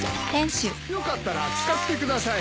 よかったら使ってください。